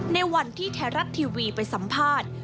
ในวันที่ไทยรัฐทีวีไปสัมภาษณ์